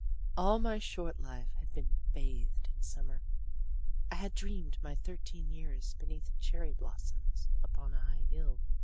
All my short life had been bathed in summer. I had dreamed my thirteen years beneath cherry blossoms upon a high hill.